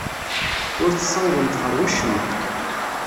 Ur tessawaḍemt ɣer wacemma.